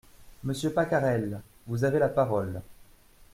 Monsieur Pacarel… vous avez la parole…